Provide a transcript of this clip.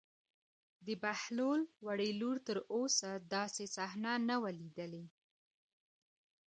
د بهلول وړې لور تر اوسه داسې صحنه نه وه لیدلې.